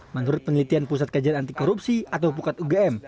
menurut penelitian pusat kejadian antikorupsi atau pukat ugm